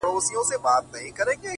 خبرېږم زه راته ښېراوي كوې،